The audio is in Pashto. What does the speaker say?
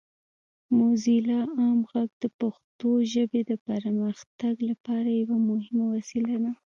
موزیلا عام غږ د پښتو ژبې د پرمختګ لپاره یوه مهمه وسیله ده.